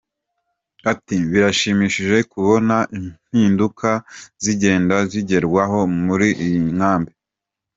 Ati"Birashimishije kubona impinduka zigenda zigerwaho muri iyi inkambi.